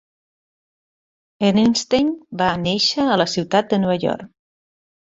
Ehrenstein va néixer a la ciutat de Nova York.